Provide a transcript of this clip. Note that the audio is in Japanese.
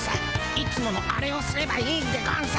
いつものアレをすればいいんでゴンス。